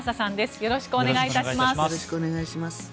よろしくお願いします。